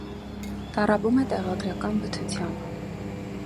Տառապում է տեղագրական բթությամբ։